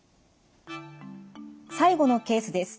最後のケースです。